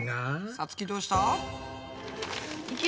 さつきどうした？